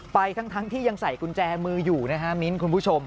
ไปทั้งที่ยังใส่กุญแจมืออยู่นะฮะมิ้นท์คุณผู้ชม